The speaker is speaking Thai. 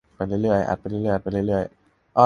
ในนิยายไทยโบราณ คนรับใช้เล่นหัวกับนายจ้างได้ง่ายมาก